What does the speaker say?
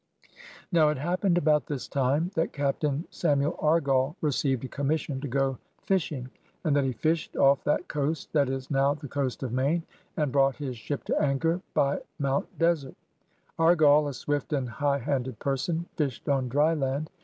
Now it happened about this time that Captain Samuel Argall received a commission ^^to go fish ing, '' and that he fished off that coast that is now the coast of Maine, and brought his ship to anchor by Mount Desert. Argall, a swift and high handed person, fished on dry land.